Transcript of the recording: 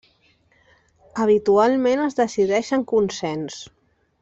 Habitualment es decideix en consens.